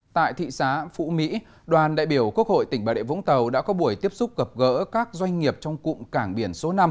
tại thị xã phú mỹ đoàn đại biểu quốc hội tỉnh bà rịa vũng tàu đã có buổi tiếp xúc gặp gỡ các doanh nghiệp trong cụm cảng biển số năm